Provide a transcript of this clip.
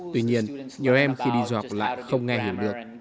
tuy nhiên nhiều em khi đi du học lại không nghe hiểu được